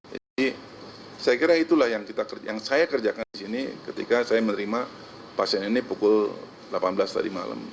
jadi saya kira itulah yang saya kerjakan di sini ketika saya menerima pasien ini pukul delapan belas tadi malam